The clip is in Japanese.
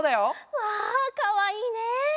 わあかわいいね！